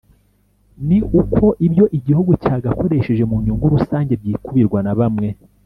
ni uko ibyo igihugu cyagakoresheje mu nyungu rusange byikubirwa na bamwe